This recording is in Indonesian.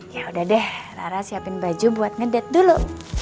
yaudah deh rara siapin baju buat ngedet dulu